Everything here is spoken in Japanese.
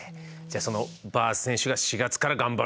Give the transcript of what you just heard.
そのバース選手が４月から頑張る。